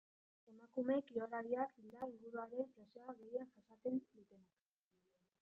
Emakume kirolariak dira inguruaren presioa gehien jasaten dutenak.